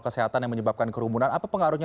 kesehatan yang menyebabkan kerumunan apa pengaruhnya